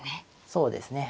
そうですね。